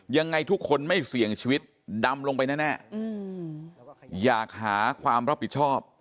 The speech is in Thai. ยังไงทุกคนไม่เสี่ยงชีวิตดำลงไปแน่อยากหาความรับผิดชอบ